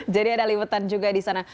jadi ada liwetan juga di sana